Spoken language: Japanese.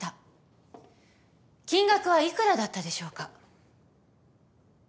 金額は幾らだったでしょうか？